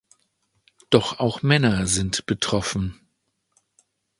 Doch auch Männer sind betroffen.